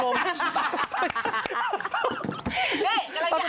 ที่เคยให้ไปจริงจักร